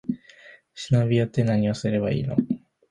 忍び寄って、なにをすればいいの？